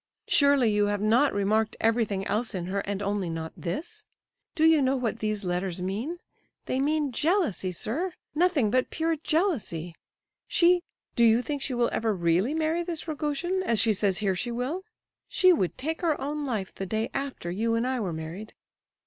Surely you have not remarked everything else in her, and only not this? Do you know what these letters mean? They mean jealousy, sir—nothing but pure jealousy! She—do you think she will ever really marry this Rogojin, as she says here she will? She would take her own life the day after you and I were married."